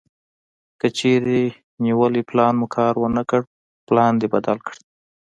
کچېرې نیولی پلان مو کار ونه کړ پلان دې بدل کړه.